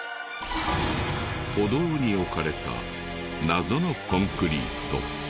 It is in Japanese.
歩道に置かれた謎のコンクリート。